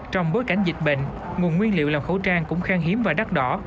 trong bối cảnh dịch bệnh nguồn nguyên liệu làm khẩu trang cũng khang hiếm và đắt đỏ